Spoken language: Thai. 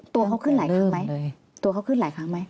ตัวเขาขึ้นหลายครั้งไหม